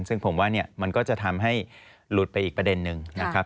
ซึ่งผมว่าเนี่ยมันก็จะทำให้หลุดไปอีกประเด็นนึงนะครับ